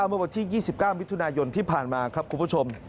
เมื่อวันที่๒๙มิถุนายนที่ผ่านมาครับคุณผู้ชม